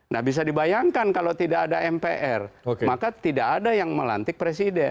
nah bisa dibayangkan kalau tidak ada mpr maka tidak ada yang melantik presiden